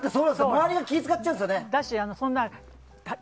周りが気を使っちゃうんですよね。